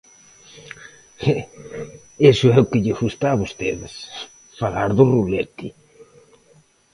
Iso é o que lles gusta a vostedes: falar do rolete.